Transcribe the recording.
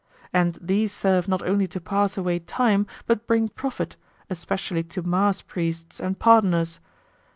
And these serve not only to pass away time but bring profit, especially to mass priests and pardoners.